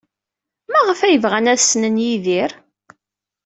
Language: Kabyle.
Maɣef ay bɣan ad ssnen Yidir?